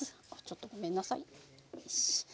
ちょっとごめんなさいよしっ。